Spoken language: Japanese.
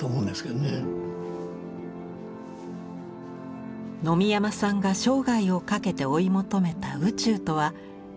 野見山さんが生涯をかけて追い求めた「宇宙」とは一体何だったのでしょう？